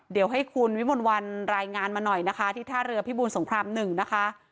เดี๋ยวให้คุณวิมลวันรายงานมาหน่อยนะคะที่ท่าเรือพิบูรสงคราม๑นะคะ